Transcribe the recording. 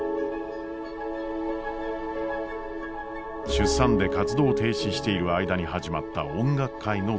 出産で活動停止している間に始まった音楽界の激変。